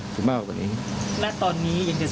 จะถอนไหม